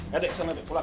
ya deh sana deh pulang